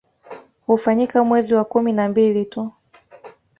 Hufanyika mwezi wa kumi na mbili tu